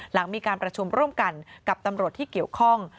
หลังมีการประชุมร่วมกันกับตำรวจที่เกี่ยวข้อง